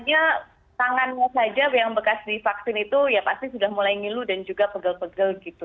hanya tangannya saja yang bekas di vaksin itu ya pasti sudah mulai ngilu dan juga pegel pegel gitu